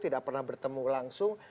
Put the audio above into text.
tidak pernah bertemu langsung